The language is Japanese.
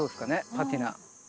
パティナ。